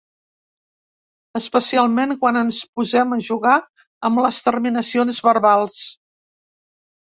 Especialment quan ens posem a jugar amb les terminacions verbals.